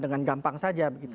dengan gampang saja